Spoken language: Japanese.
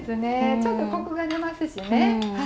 ちょっとコクが出ますしね。